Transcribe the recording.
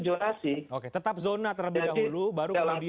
jadi kita langsung ke usia